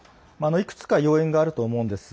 いくつか要因があると思うんです。